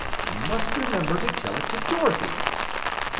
I must remember to tell it to Dorothy!"